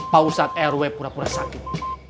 pak ustadz r w pura pura sakit